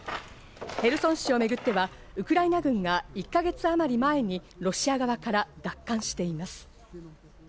ヘルソン市をめぐっては、ウクライナ軍が１ヶ月あまり前にロシア側から奪還しています。